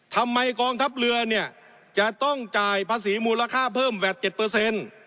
กองทัพเรือเนี่ยจะต้องจ่ายภาษีมูลค่าเพิ่มแวดเจ็ดเปอร์เซ็นต์